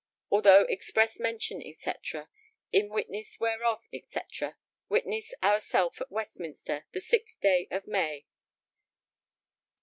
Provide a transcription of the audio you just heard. Although express mention &c. In witness whereof &c. Witness our self at Westminster the sixth day of May.